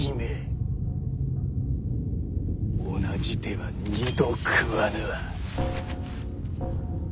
同じ手は二度食わぬわ。